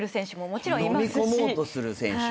のみこもうとする選手。